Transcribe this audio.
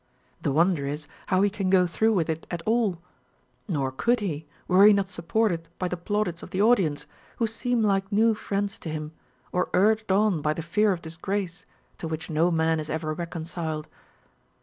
The wonder is how he can go through with it at all ; nor could he, were he not supported by tliQ plaudits of the audience, who seem like new friends to him, or urged on by the fear of disgrace, to which no man is ever reconciled.